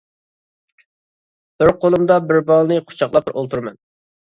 بىر قولۇمدا بىر بالىنى قۇچاقلاپ ئولتۇرىمەن.